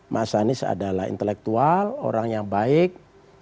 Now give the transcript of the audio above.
mas anies adalah intelektual orang yang baik